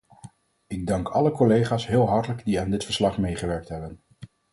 Ik dank alle collega's heel hartelijk die aan dit verslag meegewerkt hebben.